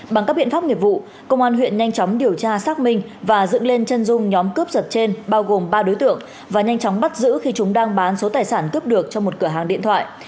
bằng các biện pháp nghiệp vụ công an huyện nhanh chóng điều tra xác minh và dựng lên chân dung nhóm cướp giật trên bao gồm ba đối tượng và nhanh chóng bắt giữ khi chúng đang bán số tài sản cướp được cho một cửa hàng điện thoại